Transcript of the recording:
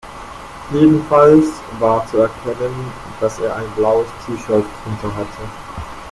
Jedenfalls war zu erkennen, dass er ein blaues T-Shirt drunter hatte.